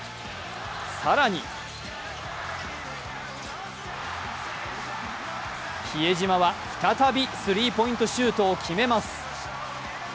更に比江島は再び、スリーポイントシュートを決めます。